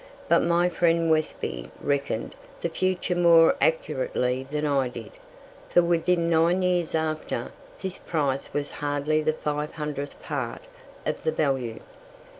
But my friend Westby reckoned the future more accurately than I did, for within nine years after, this price was hardly the 500th part of the value.